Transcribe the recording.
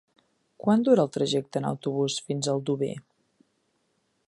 Quant dura el trajecte en autobús fins a Aldover?